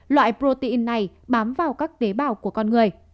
loại protein này bám vào các tế bào của con người